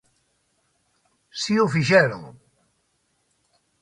¡Si o fixeron!